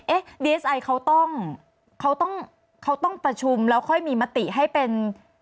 ดีเอสไอเขาต้องเขาต้องเขาต้องประชุมแล้วค่อยมีมติให้เป็น